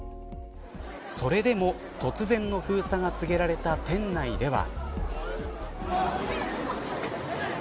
それでも、突然の封鎖が告げられた店内では。